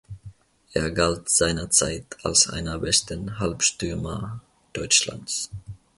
Er galt seinerzeit als einer besten Halbstürmer Deutschlands.